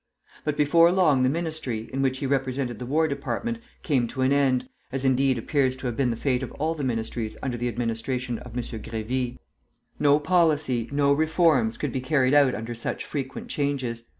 But before long the Ministry, in which he represented the War Department, came to an end, as, indeed, appears to have been the fate of all the ministries under the administration of M. Grévy. No policy, no reforms, could be carried out under such frequent changes.